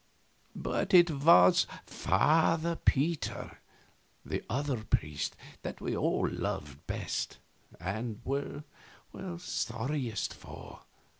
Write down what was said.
But it was Father Peter, the other priest, that we all loved best and were sorriest for.